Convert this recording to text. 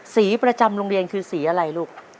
สีประจำโรงเรียนคือสีอะไรลูก